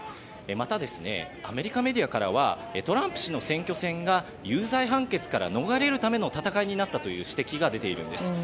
また、アメリカメディアからはトランプ氏の選挙戦が有罪判決から逃れるための戦いになったという指摘が出ているんです。